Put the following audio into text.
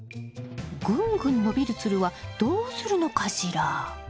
ぐんぐん伸びるつるはどうするのかしら？